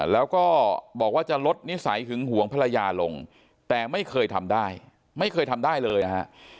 แล้วก็บอกว่าจะลดนิสัยหึงหวงภรรยาลงแต่ไม่เคยทำได้ไม่เคยทำได้เลยนะฮะ